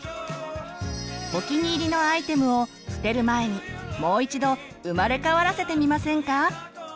お気に入りのアイテムを捨てる前にもう一度生まれ変わらせてみませんか！